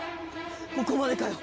ここまでかよ。